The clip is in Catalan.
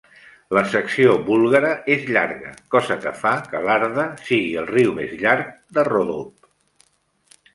La secció búlgara és llarga, cosa que fa que l'Arda sigui el riu més llarg de Ròdope.